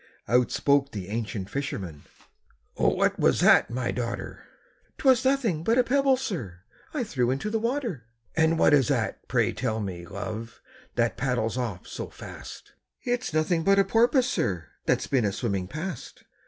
Out spoke the ancient fisherman, "Oh, what was that, my daughter?" "'T was nothing but a pebble, sir, I threw into the water." "And what is that, pray tell me, love, that paddles off so fast?" "It's nothing but a porpoise, sir, that 's been a swimming past."